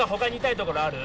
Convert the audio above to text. ところある？